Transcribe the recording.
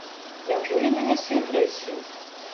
Няўжо яна нясе агрэсію?